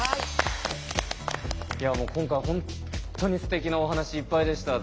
いやもう今回本当にすてきなお話いっぱいでした。